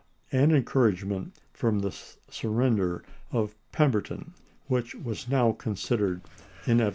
and encouragement from the surrender of Pember ton, which was now considered inevitable.